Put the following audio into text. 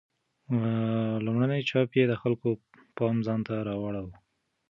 لومړنی چاپ یې د خلکو پام ځانته راواړاوه.